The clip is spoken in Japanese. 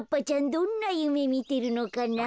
どんなゆめみてるのかな？